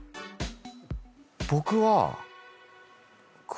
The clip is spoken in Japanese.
僕は。